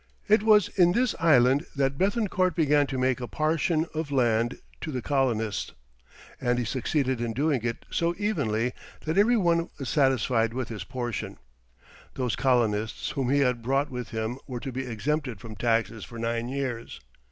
It was in this island that Béthencourt began to make a partition of land to the colonists, and he succeeded in doing it so evenly that every one was satisfied with his portion. Those colonists whom he had brought with him were to be exempted from taxes for nine years.